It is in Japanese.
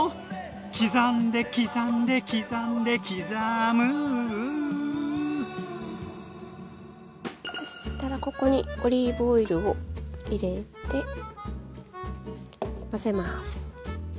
「刻んで刻んで刻んで刻む」そしたらここにオリーブオイルを入れて混ぜます。